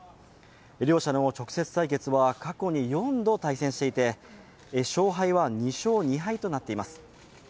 両者の直接対決は過去に４度対戦していて、勝敗は２勝２敗となっています。